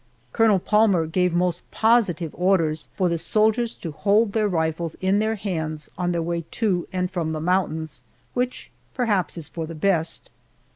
Colonel Palmer gave most positive orders for the soldiers to hold their rifles in their hands on their way to and from the mountains, which perhaps is for the best.